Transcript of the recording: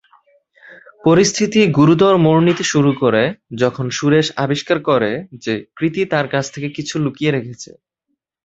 পরিস্থিতি গুরুতর মোড় নিতে শুরু করে যখন সুরেশ আবিষ্কার করে যে কৃতি তার কাছ থেকে কিছু লুকিয়ে রেখেছে।